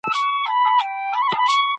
ایوانان له ځان سره واخلئ او بیا حرکت وکړئ.